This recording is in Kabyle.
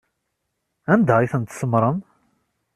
Anda ay tent-tsemmṛem?